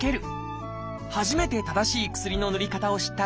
初めて正しい薬のぬり方を知った木村さん。